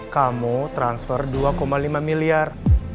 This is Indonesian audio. kamu transfer dua lima miliar